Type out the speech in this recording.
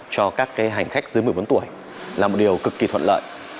cho các hành khách dưới một mươi bốn tuổi là một điều cực kỳ thuận lợi